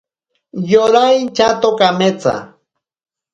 Yora inchato kametsa.